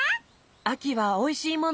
あきはおいしいもの